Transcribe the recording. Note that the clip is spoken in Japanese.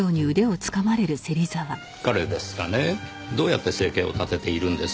彼ですがねどうやって生計を立てているんです？